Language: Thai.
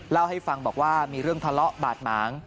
เล่าให้ฟังบอกว่ามีเรื่องทะเลาะบาดหมาง